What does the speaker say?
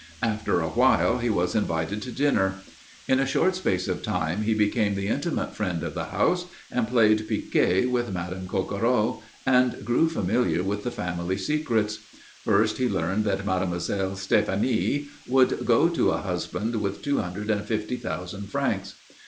After a while he was invited to dinner. In a short space of time he became the intimate friend of the house, and played piquet with Madame Coquereau, and grew familiar with the family secrets. First he learned that Mademoiselle Stéphanie would go to a husband with two hundred and fifty thousand francs.